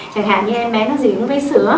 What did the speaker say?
chẳng hạn như em bé nó dị hứng với sữa